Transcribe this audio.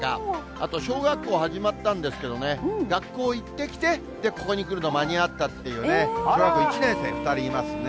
あと、小学校始まったんですけどね、学校行ってきて、ここに来るの間に合ったっていう１年生、２人いますね。